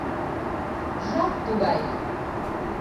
Жап тугай.